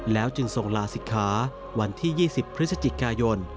แล้วจึงทรงลาศิกขาวันที่๒๐พฤศจิกายน